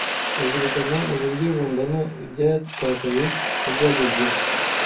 bazirikana mu buryo bungana ibyatakaye n’ibyagezweho